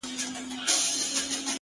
چي په لاره کي څو ځلي سوله ورکه-